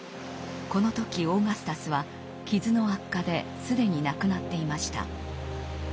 この時オーガスタスは傷の悪化で既に亡くなっていました。